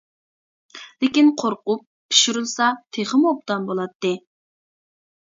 لېكىن قورقۇپ، پىشۇرۇلسا تېخىمۇ ئوبدان بولاتتى!